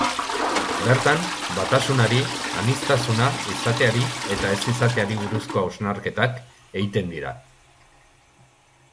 Bertan, batasunari, aniztasuna, izateari eta ez-izateari buruzko hausnarketak egiten dira.